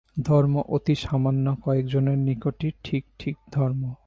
ধর্ম অতি সামান্য কয়েকজনের নিকটই ঠিক ঠিক ধর্ম।